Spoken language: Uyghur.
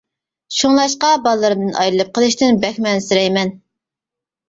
شۇڭلاشقا بالىلىرىمدىن ئايرىلىپ قېلىشتىن بەكمۇ ئەنسىرەيمەن.